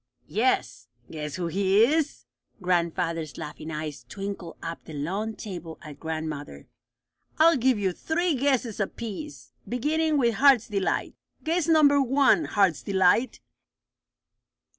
"Yes. Guess who he is?" Grandfather's laughing eyes twinkled up the long table at grandmother. "I'll give you three guesses apiece, beginning with Heart's Delight. Guess number one, Heart's Delight."